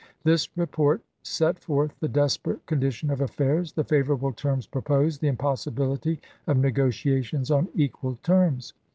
This report set forth the desperate con dition of affairs, the favorable terms proposed, the impossibility of negotiations on equal terms.